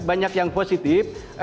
banyak yang positif